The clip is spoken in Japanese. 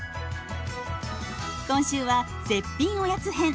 今週は絶品おやつ編。